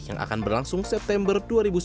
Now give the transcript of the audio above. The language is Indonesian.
yang akan berlangsung september dua ribu sembilan belas